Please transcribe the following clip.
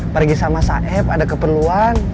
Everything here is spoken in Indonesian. pergi sama saib ada keperluan